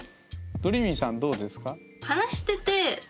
どりーみぃさんどうですか。